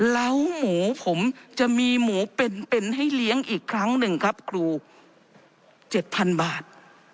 แล้วหมูผมจะมีหมูเป็นให้เลี้ยงอีกครั้งหนึ่งครับครู๗๐๐บาท